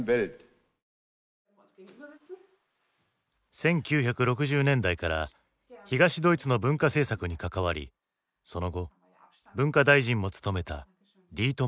１９６０年代から東ドイツの文化政策に関わりその後文化大臣も務めたディートマー・ケラー。